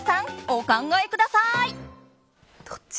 お考えください。